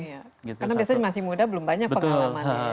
karena biasanya masih muda belum banyak pengalaman